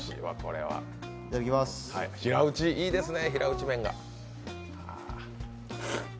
平打ち、いいですね、平打ち麺が。